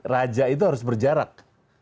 raja itu harus berjarak